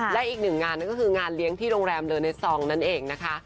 และอีกหนึ่งงานนั่นก็คืองานเลี้ยงที่โรงแรมเลอเนสซองนั่นเองนะคะ